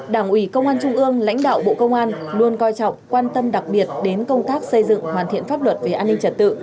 đảng ủy công an trung ương lãnh đạo bộ công an luôn coi trọng quan tâm đặc biệt đến công tác xây dựng hoàn thiện pháp luật về an ninh trật tự